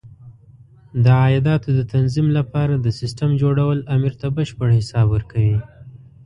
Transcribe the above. د عایداتو د تنظیم لپاره د سیسټم جوړول امیر ته بشپړ حساب ورکوي.